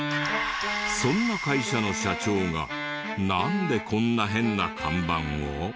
そんな会社の社長がなんでこんな変な看板を！？